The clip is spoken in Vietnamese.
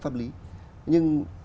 pháp lý nhưng